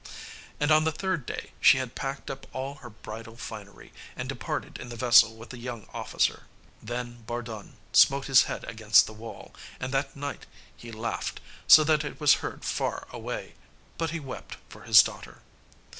And on the third day she had packed up all her bridal finery, and departed in the vessel with the young officer. Then Bardun smote his head against the wall, and that night he laughed, so that it was heard far away, but he wept for his daughter.